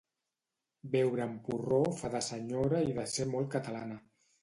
Beure amb porró fa de senyora i de ser molt catalana.